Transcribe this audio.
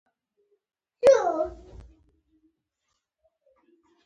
د باغ ګلابونه د لمر په وړانګو کې ځلېدل.